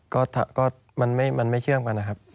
ก็มันไม่เชื่อมกันนะครับ